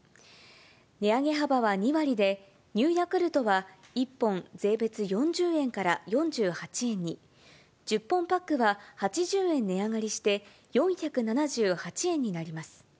値上げ幅は２割で、Ｎｅｗヤクルトは１本税別４０円から４８円に、１０本パックは８０円値上がりして、４７８円になります。